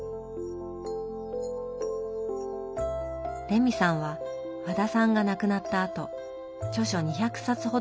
レミさんは和田さんが亡くなったあと著書２００冊ほどを集め